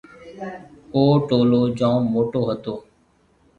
او ٽولون جوم موٽيَ ھتو۔